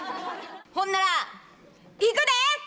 ほんならいくで！